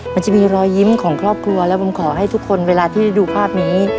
มันจะมีรอยยิ้มของครอบครัวและผมขอให้ทุกคนเวลาที่ได้ดูภาพนี้